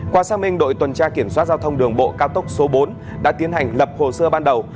qua xác minh đội tuần tra kiểm soát giao thông đường bộ cao tốc số bốn đã tiến hành lập hồ sơ ban đầu